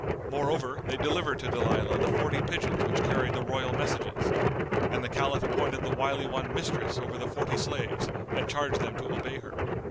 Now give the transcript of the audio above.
Moreover, they delivered to Dalilah the forty pigeons which carried the royal messages, and the Caliph appointed the Wily One mistress over the forty slaves and charged them to obey her.